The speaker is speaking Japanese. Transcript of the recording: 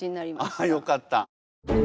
あっよかった。